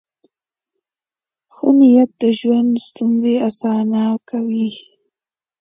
ښه نیت د ژوند ستونزې اسانه کوي.